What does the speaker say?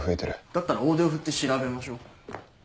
だったら大手を振って調べましょう。